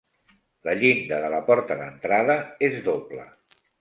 La llinda de la porta d'entrada és doble.